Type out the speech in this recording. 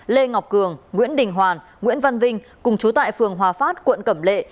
lê ngọc cường nguyễn đình hoàn nguyễn văn vinh cùng chú tại phường hòa phát quận cẩm lệ